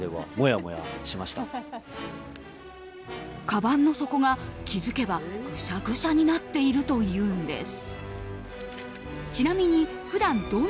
かばんの底が気づけばぐしゃぐしゃになっているというんです。